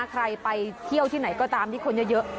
ใครไปเที่ยวที่ไหนก็ตามที่คนเยอะ